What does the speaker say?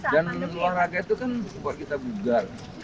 dan olahraga itu kan buat kita bugal